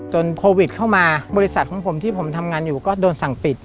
โควิดเข้ามาบริษัทของผมที่ผมทำงานอยู่ก็โดนสั่งปิด